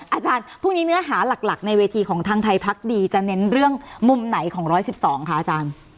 อาจารย์พรุ่งนี้เนื้อหาหลักในเวทีของทางไทยพักดีจะเน้นเรื่องมุมไหนของ๑๑๒คะอาจารย์